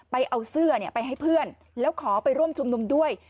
ไปเอาเสื้อไปให้เพื่อนแล้วขอไปร่วมชุมนุมด้วย